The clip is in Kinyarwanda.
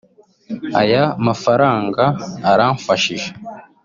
Aya mafaranga) aramfashije